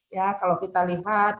ya kalau kita lihat